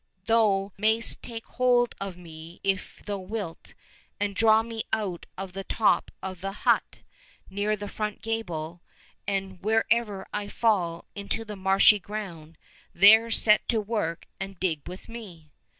Thou mayst take hold of me if thou wilt, and draw me out of the top of the hut, near the front gable ; and wher ever I fall into the marshy ground, there set to work and dig with me